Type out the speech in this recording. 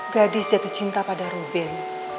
gadis jatuh cinta pada rubin